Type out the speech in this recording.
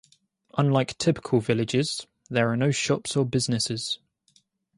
Unlike typical villages, there are no shops or businesses.